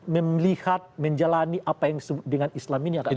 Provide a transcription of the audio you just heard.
memilihat menjalani apa yang dengan islam ini agak berbeda